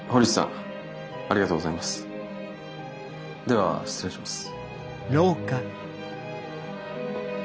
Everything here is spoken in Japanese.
では失礼します。